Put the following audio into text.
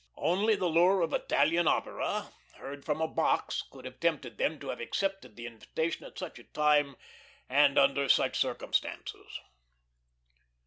Only the lure of Italian opera, heard from a box, could have tempted them to have accepted the invitation at such a time and under such circumstances.